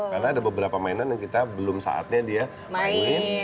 karena ada beberapa mainan yang kita belum saatnya dia main